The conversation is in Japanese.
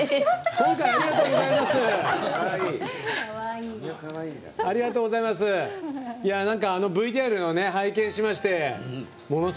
今回ありがとうございます。